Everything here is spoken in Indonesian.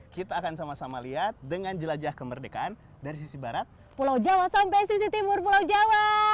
kita akan sama sama lihat dengan jelajah kemerdekaan dari sisi barat pulau jawa sampai sisi timur pulau jawa